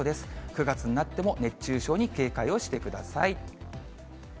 ９月になっても熱中症に警戒をしてください。